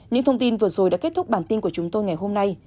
những thông tin vừa rồi đã kết thúc bản tin của chúng tôi ngày hôm nay